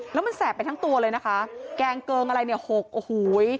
แล้วมันแสบไปทั้งตัวเลยนะคะแกงเกิงอะไรเนี่ยหกโอ้โห